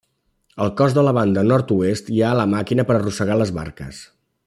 Al cos de la banda nord-oest hi ha la màquina per arrossegar les barques.